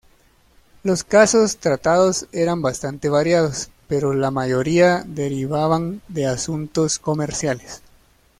Los casos tratados eran bastante variados, pero la mayoría derivaban de asuntos comerciales.